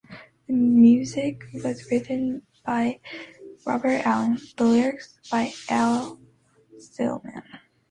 The music was written by Robert Allen, the lyrics by Al Stillman.